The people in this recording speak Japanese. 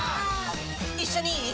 一緒にいい？